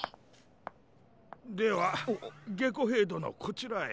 ではゲコヘイどのこちらへ。